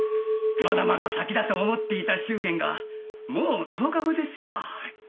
まだまだ先だと思っていた祝言がもう１０日後ですよ。